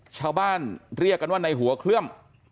ชาวบ้านเรียกกันว่าในหัวเคลือม